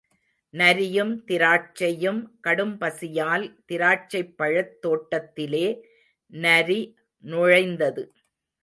நரியும் திராட்சையும் கடும்பசியால் திராட்சைப்பழத் தோட்டத்திலே நரி நுழைந்தது.